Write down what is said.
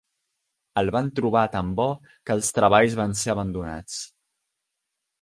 El van trobar tan bo que els treballs van ser abandonats.